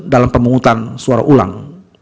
dalam pemungutan suara ulang